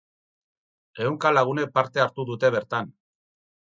Ehunka lagunek parte hartu dute bertan.